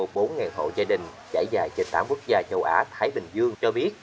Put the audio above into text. nhiều người trong tám hộ gia đình trải dài trên tám quốc gia châu á thái bình dương cho biết